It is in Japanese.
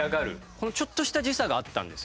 このちょっとした時差があったんですよ。